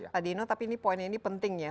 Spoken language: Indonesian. tadi ini poinnya penting ya